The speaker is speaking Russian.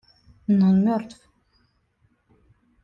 Но он мертв.